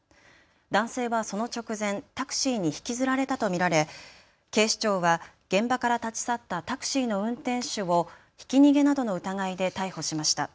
男性はその直前、タクシーに引きずられたと見られ警視庁は現場から立ち去ったタクシーの運転手をひき逃げなどの疑いで逮捕しました。